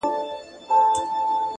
د يو ښايستې سپيني كوتري په څېر،